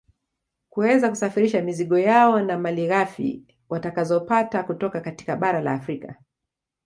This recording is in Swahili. Kuweza kusafirisha mizigo yao na malighafi watakazopata kutoka katika bara la Afrika